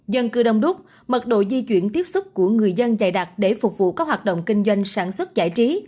dân cư đông đúc mật độ di chuyển tiếp xúc của người dân dày đặc để phục vụ các hoạt động kinh doanh sản xuất giải trí